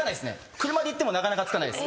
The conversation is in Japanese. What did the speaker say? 車で行ってもなかなか着かないです。